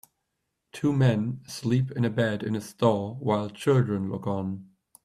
Two men sleep in a bed in a store while children look on.